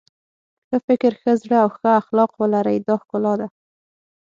ښه فکر ښه زړه او ښه اخلاق ولرئ دا ښکلا ده.